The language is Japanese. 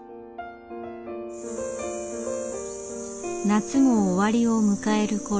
夏も終わりを迎える頃。